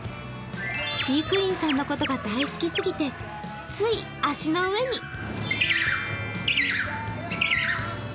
飼育員さんのことが大好きすぎてつい足の上に。